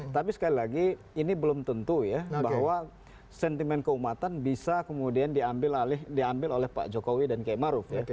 tapi sekali lagi ini belum tentu ya bahwa sentimen keumatan bisa kemudian diambil oleh pak jokowi dan kiai maruf ya